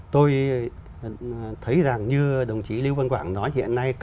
tôi thấy rằng như đồng chí lưu văn quảng nói thì hiện nay